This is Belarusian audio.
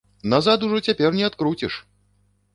Назад ужо цяпер не адкруціш!